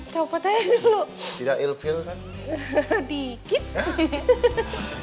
coba teh dulu tidak ilfil kan dikit